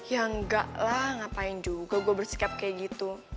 ya enggak lah ngapain juga gue bersikap kayak gitu